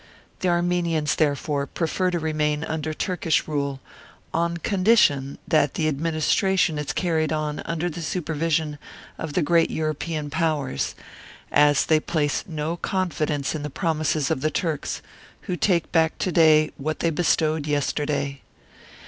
The Armenians, therefore, prefer to remain under Turkish rule, on condition that the administration is carried on under the supervision of the Great European Powers, as they place no confidence in the promises of the Turks, who take back to day what they bestowed yesterday.